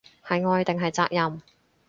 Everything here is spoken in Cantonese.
係愛定係責任